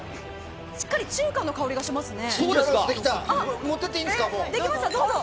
しっかり中華の香りがしますね。